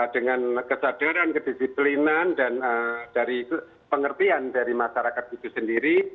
dengan kesadaran kedisiplinan dan dari pengertian dari masyarakat itu sendiri